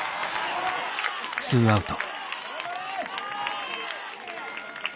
ツーアウト。